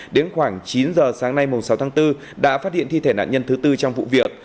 đến khoảng chín giờ sáng nay sáu tháng bốn đã phát hiện thi thể nạn nhân thứ tư trong vụ việc